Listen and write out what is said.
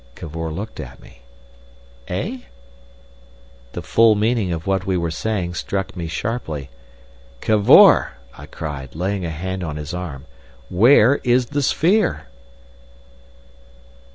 Cavor looked at me. "Eh?" The full meaning of what we were saying struck me sharply. "Cavor!" I cried, laying a hand on his arm, "where is the sphere?"